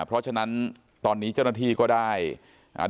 เพราะฉะนั้นตอนนี้เจ้าหน้าที่ก็ได้อ่า